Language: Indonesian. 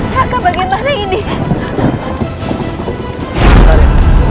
raka bagaimana ini